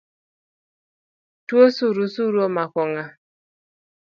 Tuo surusuru omako ng’a?